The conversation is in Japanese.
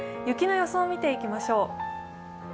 雪の予想を見ていきましょう。